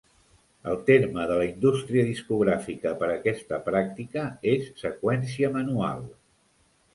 El terme de la indústria discogràfica per aquesta pràctica és seqüència manual.